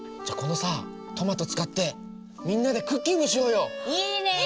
じゃあこのさトマト使ってみんなでクッキングしようよ！